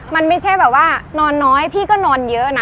มันไม่ใช่แบบว่านอนน้อยพี่ก็นอนเยอะนะ